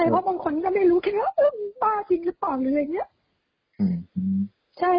เอาน้ำราดคือทำโดนสารพัดแค้นคือหัก